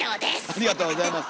ありがとうございます。